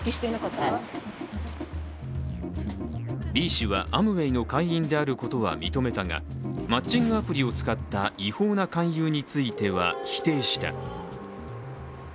Ｂ氏はアムウェイの会員であることは認めたがマッチングアプリを使った違法な勧誘については否定した。